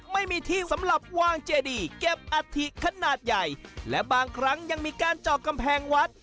ไม่มีที่สำหรับวางเจดีเก็บอัฐิขนาดใหญ่และบางครั้งยังมีการเจาะกำแพงวัด